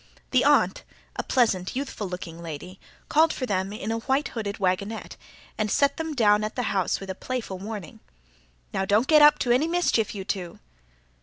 The Aunt, a pleasant, youthful looking lady, called for them in a white hooded wagonette, and set them down at the house with a playful warning. "Now don't get up to any mischief, you two!"